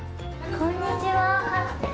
こんにちは。